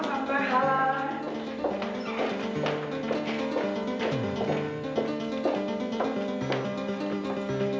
bu selamat malam